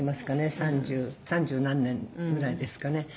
三十三十何年ぐらいですかね？